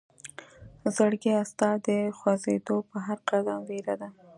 زړګيه ستا د خوئيدو په هر قدم وئيره ده